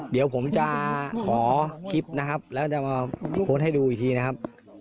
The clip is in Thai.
เดี๋ยวผมจะขอคลิปนะครับแล้วจะมาโพสต์ให้ดูอีกทีนะครับ